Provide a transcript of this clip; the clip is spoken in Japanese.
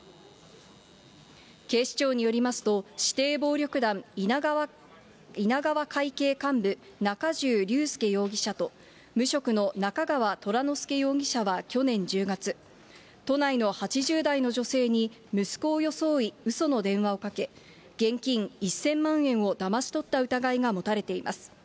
警視庁によりますと、指定暴力団稲川会系幹部、中重りゅうすけ容疑者と無職の中川虎乃輔容疑者は去年１０月、都内の８０代の女性に息子を装い、うその電話をかけ、現金１０００万円をだまし取った疑いが持たれています。